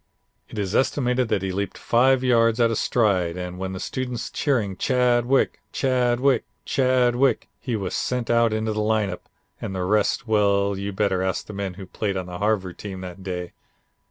It is estimated that he leaped five yards at a stride, and with the students cheering, 'Chadwick, Chadwick, Chadwick,' he was sent out into the lineup and the rest, well, you'd better ask the men who played on the Harvard team that day.